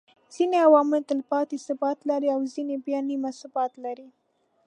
ځيني عوامل تلپاتي ثبات لري او ځيني بيا نيمه ثبات لري